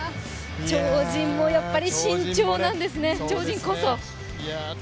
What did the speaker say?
超人もやっぱり慎重なんですね、超人こそ。